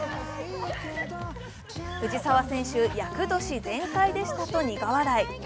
藤澤選手、厄年全開でしたと苦笑い。